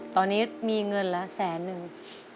ตอนนี้มีเงินแล้วแสนนึง